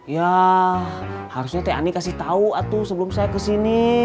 yah harusnya tee ani kasih tau atu sebelum saya kesini